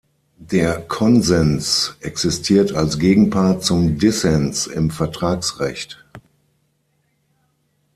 Der Konsens existiert als Gegenpart zum Dissens im Vertragsrecht.